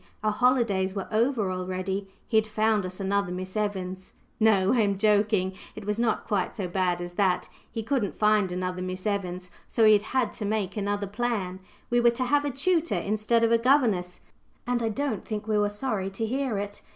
Our holidays were over already. He had found us another Miss Evans! No; I am joking. It was not quite so bad as that. He couldn't find another Miss Evans, so he had had to make another plan. We were to have a tutor instead of a governess; and I don't think we were sorry to hear it.